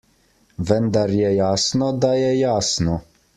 Vendar je jasno, da je jasno.